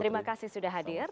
terima kasih sudah hadir